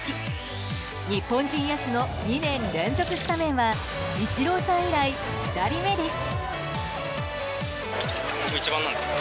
日本人野手の２年連続スタメンはイチローさん以来２人目です。